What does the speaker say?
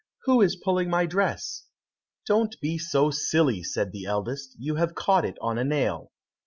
who is pulling my dress?" "Don't be so silly!" said the eldest, "you have caught it on a nail."